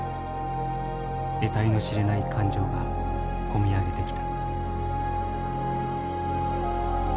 得体の知れない感情が込み上げてきた」。